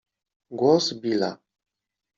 głos Billa.